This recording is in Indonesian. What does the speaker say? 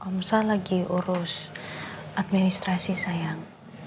omsal lagi urus administrasi sayang